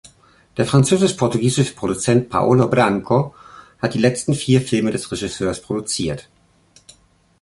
Der französisch-portugiesische Produzent Paolo Branco hat die letzten vier Filme des Regisseurs produziert.